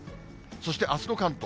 そしてあすの関東。